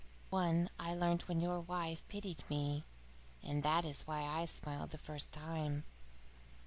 One I learnt when your wife pitied me, and that is why I smiled the first time.